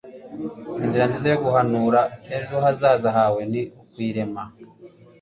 Inzira nziza yo guhanura ejo hazaza hawe ni ukuyirema.”